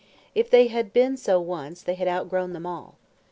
If they had been so once they had outgrown them all.